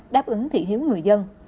đáp ứng thị hiếu người dân